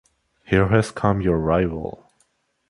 Here has come your rival.